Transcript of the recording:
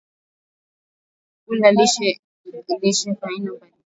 kuna viazi lishe vya aina mbali mbali